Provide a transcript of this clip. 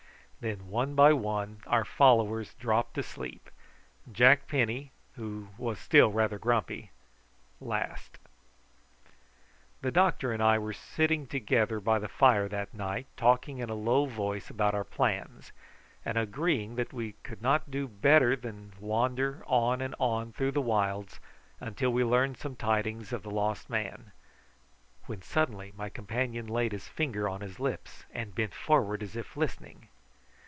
Then one by one our followers dropped asleep, Jack Penny, who was still rather grumpy, last. The doctor and I were sitting together by the fire that night, talking in a low voice about our plans, and agreeing that we could not do better than wander on and on through the wilds until we learned some tidings of the lost man, when suddenly my companion laid his finger on his lips and bent forward as if listening.